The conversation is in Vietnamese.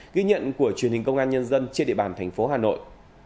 ghi nhận của truyền hình công an nhân dân trên địa bàn thành phố hà nội